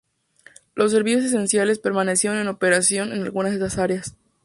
Los servicios esenciales permanecieron en operación en algunas de estas áreas.